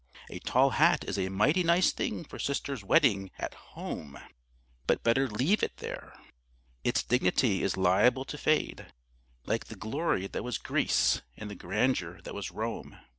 A tall hat is a mighty nice thing for Sister's wedding at home; but better leave it there. Its dignity is liable to fade, like the glory that was Greece and the grandeur that was Rome.